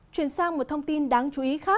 chuyển sang một thông tin đáng chú ý